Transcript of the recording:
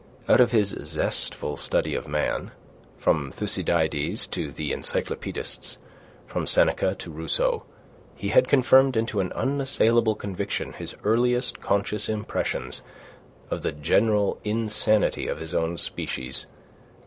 Out of his zestful study of Man, from Thucydides to the Encyclopaedists, from Seneca to Rousseau, he had confirmed into an unassailable conviction his earliest conscious impressions of the general insanity of his own species.